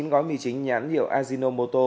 ba mươi chín gói mì chính nhãn hiệu ajinomoto